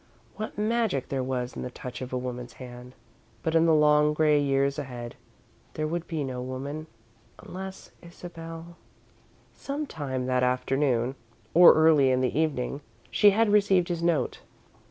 What magic there was in the touch of a woman's hand! But, in the long grey years ahead, there would be no woman, unless Isabel Sometime that afternoon, or early in the evening, she had received his note.